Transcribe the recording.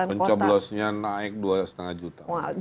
pencoblosnya naik dua lima juta